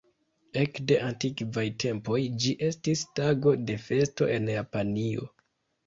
Ekde antikvaj tempoj ĝi estis tago de festo en Japanio.